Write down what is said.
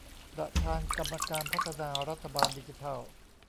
ประธานกรรมการพัฒนารัฐบาลดิจิทัล